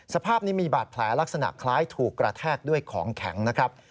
สภาพนี้มีบาดแผลลักษณะคล้ายถูกกระแทกด้วยของแข็งนะครับ